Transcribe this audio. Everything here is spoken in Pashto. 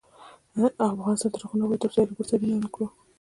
افغانستان تر هغو نه ابادیږي، ترڅو له یو بل سره مینه ونه کړو.